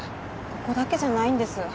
ここだけじゃないんです